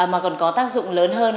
mà còn có tác dụng lớn hơn